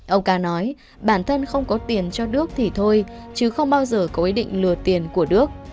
ông ca nói bản thân không có tiền cho đức thì thôi chứ không bao giờ có ý định lừa tiền của đức